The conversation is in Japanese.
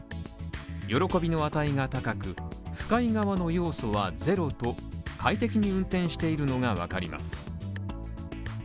喜びの値が高く、不快側の要素はゼロと快適に運転しているのがわかります。